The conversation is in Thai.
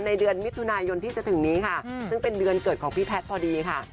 เดือนมิถุนายนที่จะถึงนี้ค่ะซึ่งเป็นเดือนเกิดของพี่แพทย์พอดีค่ะ